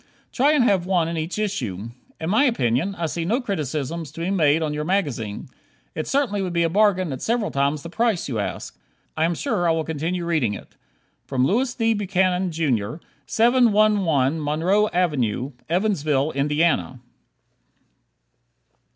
Try and have one in each issue. In my opinion, I see no criticisms to be made on your magazine. It certainly would be a bargain at several times the price you ask. I am sure I will continue reading it Louis D. Buchanan, Jr., 711 Monroe Ave., Evansville, Indiana.